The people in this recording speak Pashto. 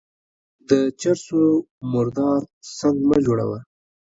د چر سو مردار سنگ مه جوړوه.